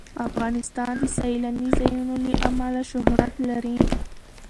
افغانستان د سیلانی ځایونه له امله شهرت لري.